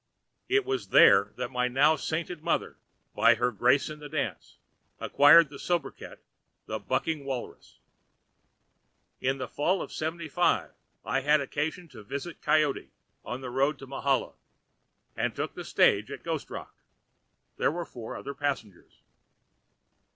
It was there that my now sainted mother, by her grace in the dance, acquired the sobriquet of 'The Bucking Walrus.' "In the fall of '75 I had occasion to visit Coyote, on the road to Mahala, and took the stage at Ghost Rock. There were four other passengers.